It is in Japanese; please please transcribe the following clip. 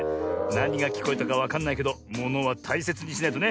なにがきこえたかわかんないけどものはたいせつにしないとね。